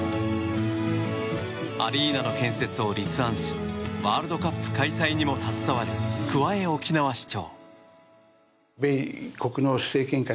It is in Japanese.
アリーナの建設を立案しワールドカップ開催にも携わる桑江沖縄市長。